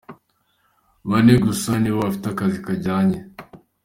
‘Bane gusa nibo bafite akazi kajyanye.